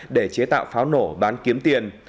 để chế tạo pháo nổ bán kiếm tiền